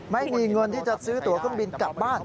ไม่มีเงินที่จะซื้อตัวเครื่องบินกลับบ้าน